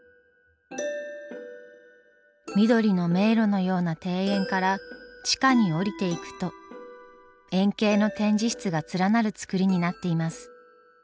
緑の迷路のような庭園から地下に下りていくと円形の展示室が連なる造りになっています。